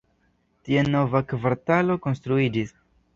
Tie nova kvartalo konstruiĝis.